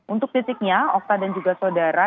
untuk titiknya okta dan juga saudara